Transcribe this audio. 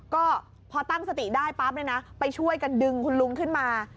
ก็พอตั้งสติได้ปั๊บเนี่ยนะไปช่วยกันดึงคุณลุงขึ้นมา